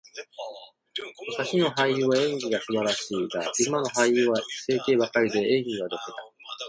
昔の俳優は演技が素晴らしいが、今の俳優は整形ばかりで、演技はド下手。